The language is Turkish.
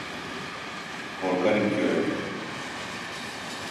Korkarım ki öyle.